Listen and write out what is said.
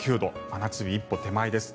真夏日一歩手前です。